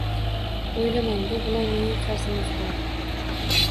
O‘ylamang, bu bilan mening qarzim uziladi